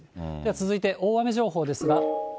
続いて大雨情報ですが。